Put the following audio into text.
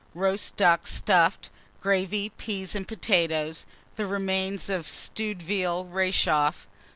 Roast ducks stuffed, gravy, peas, and potatoes; the remains of stewed veal rechauffé.